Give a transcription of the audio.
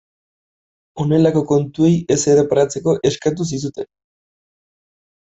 Honelako kontuei ez erreparatzeko eskatu zizuten.